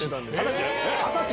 二十歳。